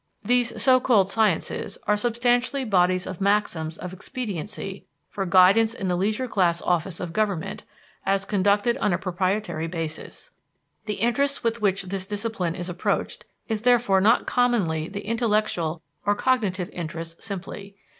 These so called sciences are substantially bodies of maxims of expediency for guidance in the leisure class office of government, as conducted on a proprietary basis. The interest with which this discipline is approached is therefore not commonly the intellectual or cognitive interest simply.